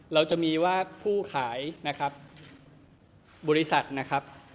เราจะมีว่าผู้ขายนะครับบริษัทนะครับ